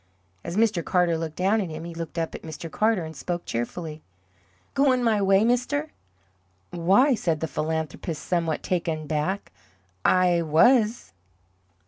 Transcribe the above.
As Mr. Carter looked down at him, he looked up at Mr. Carter, and spoke cheerfully: "Goin' my way, mister?" "Why," said the philanthropist, somewhat taken back, "I WAS!"